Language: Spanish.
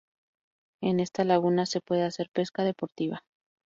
En esta laguna se puede hacer pesca deportiva.